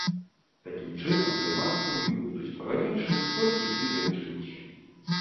Такім чынам, займацца ў ім будуць па-ранейшаму толькі тры дзяўчынкі.